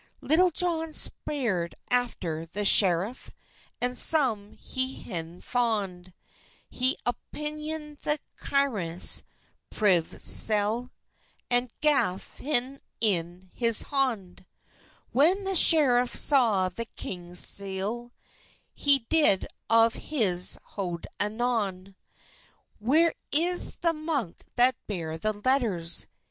Litulle Johne spyrred aftur the schereff, And sone he hym fonde; He oppyned the kyngus privè seelle, And gaf hyn in his honde. When the schereft saw the kyngus seelle, He did of his hode anon; "Wher is the munke that bare the letturs?"